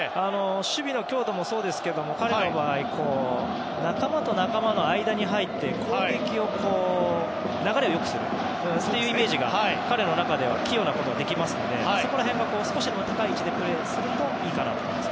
守備の強度もそうですけど彼の場合仲間と仲間の間に入って攻撃の流れを良くするというイメージが彼の中では器用なことができますので少し高い位置でプレーするといいかなと思います。